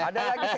ada lagi sekarang